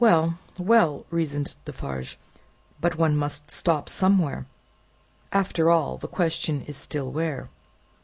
"Well, well," reasoned Defarge, "but one must stop somewhere. After all, the question is still where?"